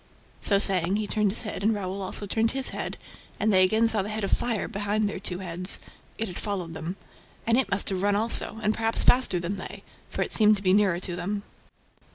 So saying, he turned his head and Raoul also turned his head; and they again saw the head of fire behind their two heads. It had followed them. And it must have run also, and perhaps faster than they, for it seemed to be nearer to them.